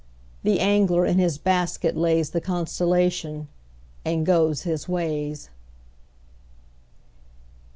The angler in his basket lays The constellation, and goes his ways.